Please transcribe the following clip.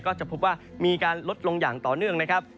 ก็จะพบว่ามีการลดลงอย่างต่อเนื่องนะครับ